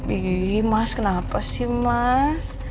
ini mas kenapa sih mas